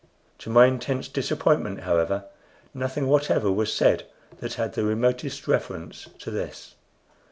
To my intense disappointment, however, nothing whatever was said that had the remotest reference to this.